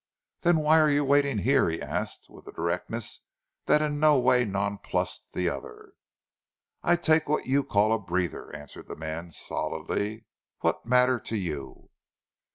"Then why are you waiting here?" he asked with a directness that in no way nonplussed the other. "I take what you call a breather," answered the man stolidly. "What matter to you?"